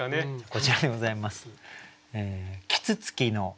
こちらでございます。